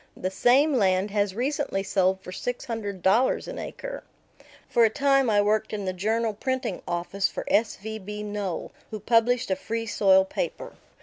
The same land has recently sold for six hundred dollars an acre. For a time I worked in the Journal printing office for S. V. B. Noel, who published a Free Soil paper.